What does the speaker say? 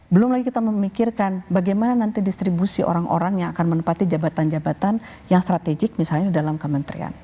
belum lagi kita memikirkan bagaimana nanti distribusi orang orang yang akan menempati jabatan jabatan yang strategik misalnya dalam kementerian